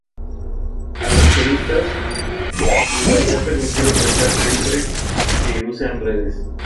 A los turistas les está permitido pescar siempre que no usen redes.